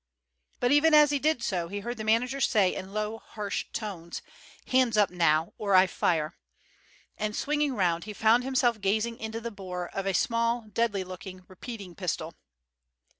But even as he did so he heard the manager say in low harsh tones: "Hands up now, or I fire!" and swinging round, he found himself gazing into the bore of a small deadly looking repeating pistol.